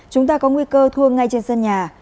chúng ta có nguy cơ thua ngay trên sân nhà